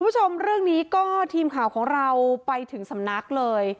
คุณผู้ชมเรื่องนี้ก็ทีมข่าวของเราไปถึงสำนักเลย